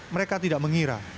mereka tidak mengira